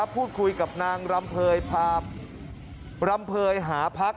พูดคุยกับนางรำเภยพารำเภยหาพัก